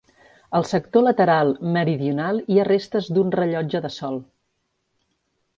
Al sector lateral meridional hi ha restes d’un rellotge de sol.